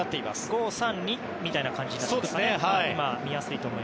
５−３−２みたいな形になっていますね。